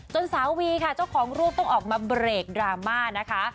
สาววีค่ะเจ้าของรูปต้องออกมาเบรกดราม่านะคะ